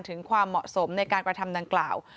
ถึงความเหมาะสมในการกระทำดังกล่าว